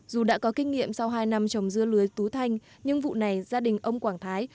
dù đã có kinh nghiệm sau hai năm trồng dưa lưới tú thanh nhưng vụ này gia đình ông quảng thái